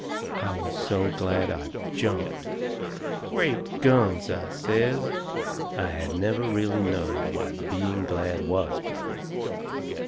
I was so glad I jumped. "Great guns!" I says. I had never really knowed what being glad was before.